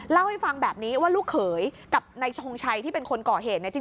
เล่าให้ฟังแบบนี้ว่าลูกเขยกับนายชงชัยที่เป็นคนก่อเหตุเนี่ยจริง